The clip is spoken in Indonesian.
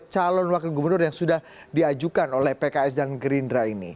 calon wakil gubernur yang sudah diajukan oleh pks dan gerindra ini